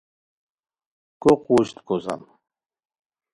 کو قوژد کوسان